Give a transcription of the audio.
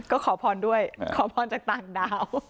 ก็ขอพรด้วยขอพรจากต่างดาว